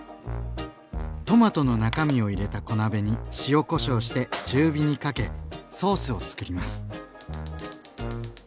トマトの中身を入れた小鍋に塩・こしょうして中火にかけソースをつくります。